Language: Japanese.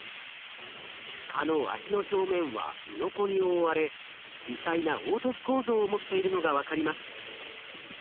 蚊の脚の表面はうろこに覆われ微細な凹凸構造を持っているのが分かります。